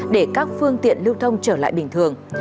để các phương tiện lưu thông trở lại bình thường